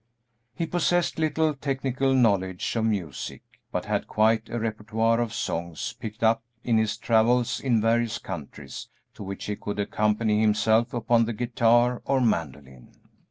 He possessed little technical knowledge of music, but had quite a repertoire of songs picked up in his travels in various countries, to which he could accompany himself upon the guitar or mandolin.